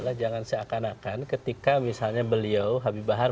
kita harus menganggarkan seakan akan ketika misalnya beliau habib bahar